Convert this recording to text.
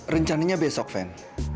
rencananya besok fen